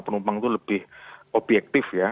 penumpang itu lebih objektif ya